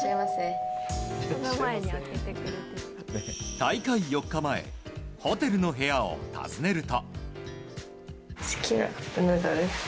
大会４日前、ホテルの部屋を訪ねると。